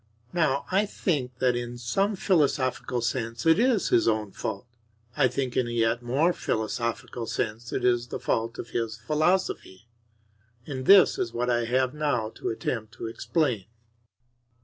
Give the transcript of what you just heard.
Now, I think that in some philosophical sense it is his own fault, I think in a yet more philosophical sense it is the fault of his philosophy. And this is what I have now to attempt to explain.